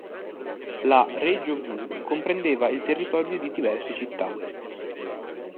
La "Regio V" comprendeva il territorio di diverse città.